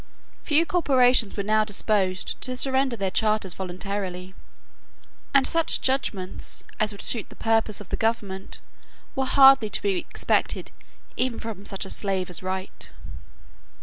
Few corporations were now disposed to surrender their charters voluntarily; and such judgments as would suit the purposes of the government were hardly to be expected even from such a slave as Wright.